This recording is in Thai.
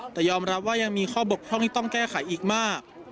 แต่ยอมรับว่ายังมีข้อบกพร่องที่ต้องแก้ไขอีกมาก